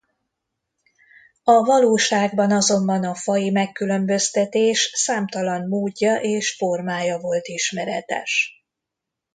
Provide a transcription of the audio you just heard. A valóságban azonban a faji megkülönböztetés számtalan módja és formája volt ismeretes.